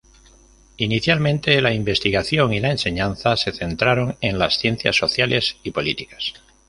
Inicialmente, la investigación y la enseñanza se centraron en las ciencias sociales y políticas.